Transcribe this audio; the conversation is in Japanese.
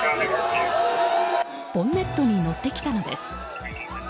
ボンネットに乗ってきたのです。